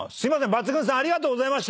Ｘ−ＧＵＮさんありがとうございました。